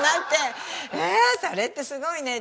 えそれってすごいねって。